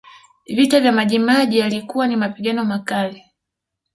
Vita vya Maji Maji yalikuwa ni mapigano makali